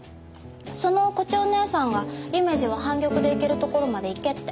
その胡蝶姐さんが夢路は半玉でいけるところまでいけって。